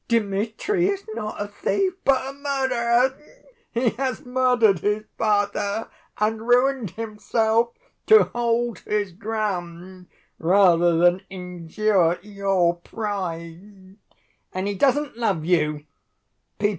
Dmitri is not a thief! but a murderer! He has murdered his father and ruined himself to hold his ground, rather than endure your pride. And he doesn't love you.